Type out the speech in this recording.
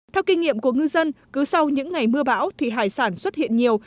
theo kinh nghiệm của ngư dân cứ sau những ngày mưa bão thì hải sản xuất hiện nhiều